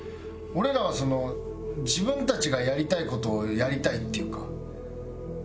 俺らはその自分たちがやりたい事をやりたいっていうか。